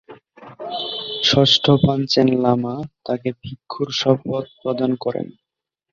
ষষ্ঠ Panchen Lama তাকে ভিক্ষুর শপথ প্রদান করেন।